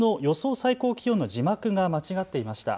最高気温の字幕が間違っていました。